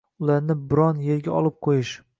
ularni biron yerga olib qo‘yish